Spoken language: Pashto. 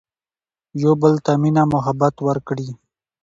يو بل ته مينه محبت ور کړي